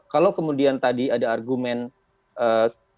kalau kemudian tadi ada argumen bertahap bisa berubah kenapa sekarang tidak bisa gitu